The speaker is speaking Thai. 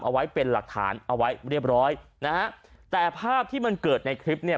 เอาไว้เป็นหลักฐานเอาไว้เรียบร้อยนะฮะแต่ภาพที่มันเกิดในคลิปเนี่ย